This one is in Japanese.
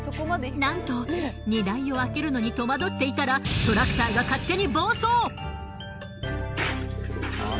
なんと荷台を開けるのに戸惑っていたらトラクターが勝手に暴走。